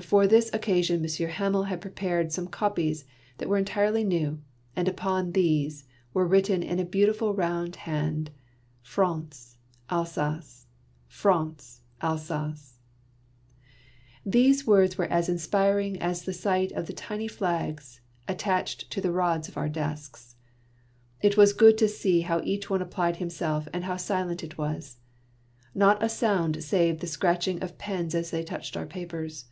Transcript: For this occasion Monsieur Hamel had prepared some copies that were entirely new, and upon these were written in a beautiful round hand, " France y Alsace! ^Frunety—Ahae^ I " These words were as inspiring as the sight of the tiny flags attached to the rod of our desks. It was good to see how each one applied himself, and how silent it was ! Not a sound save the scratch ing of pens as they touched our papers.